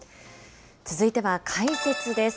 続いては、解説です。